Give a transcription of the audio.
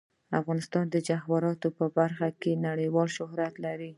افغانستان د جواهرات په برخه کې نړیوال شهرت لري.